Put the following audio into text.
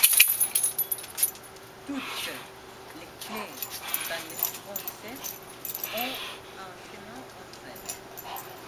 Toutes les clés dans le strong set ont un chemin entre elles.